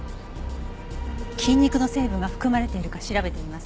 菌肉の成分が含まれているか調べてみます。